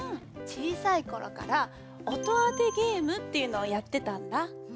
ちいさいころから音あてゲームっていうのをやってたんだ。